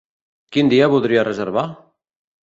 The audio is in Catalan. Quin dia voldria reservar?